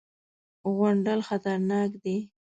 _غونډل خطرناکه دی.